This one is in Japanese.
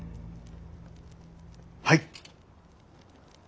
はい。